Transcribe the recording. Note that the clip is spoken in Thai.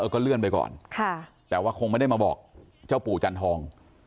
ก็เลื่อนไปก่อนแต่ว่าคงไม่ได้มาบอกเจ้าปู่จันทอง